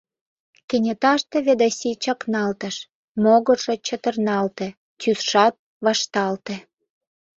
Кенеташте Ведаси чакналтыш, могыржо чытырналте, тӱсшат вашталте.